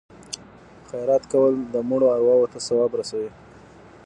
خیرات کول د مړو ارواو ته ثواب رسوي.